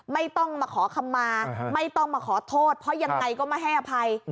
ไม่ต้องมาขอคำมาไม่ต้องมาขอโทษเพราะยังไงก็ไม่ให้อภัย